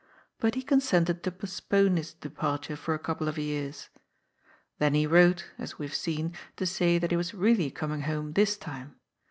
But he consented to postpone his departure for a couple of years. Then he wrote — as we have seen — to say that he was really coming home this time.